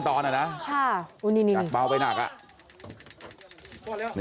โปรได้ติดอีกวันครับ